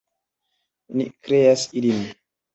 Ni kreas ilin!